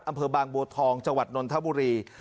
อำเภอบางบัวทองจังหวัดนนทบุรี